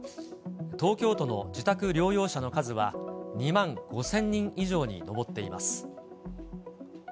東京都の自宅療養者の数は２万５０００人以上に上っています。